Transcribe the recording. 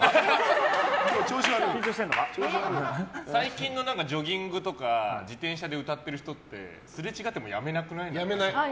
最近のジョギングとか自転車で歌ってる人ってすれ違っても、やめなくない？